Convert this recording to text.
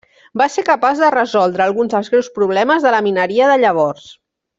Va ser capaç de resoldre alguns dels greus problemes de la mineria de llavors.